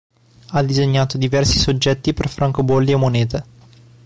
Ha disegnato diversi soggetti per francobolli e monete.